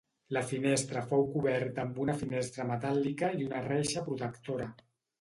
La finestra fou coberta amb una finestra metàl·lica i una reixa protectora.